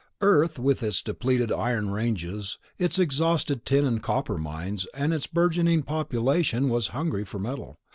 Earth, with its depleted iron ranges, its exhausted tin and copper mines, and its burgeoning population, was hungry for metal.